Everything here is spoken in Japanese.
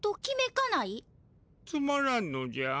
つまらんのじゃ。